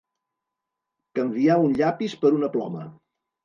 Canviar un llapis per una ploma.